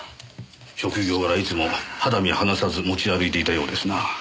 職業柄いつも肌身離さず持ち歩いていたようですな。